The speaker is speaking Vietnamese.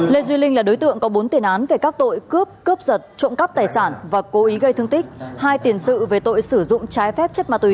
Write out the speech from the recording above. lê duy linh là đối tượng có bốn tiền án về các tội cướp cướp giật trộm cắp tài sản và cố ý gây thương tích hai tiền sự về tội sử dụng trái phép chất ma túy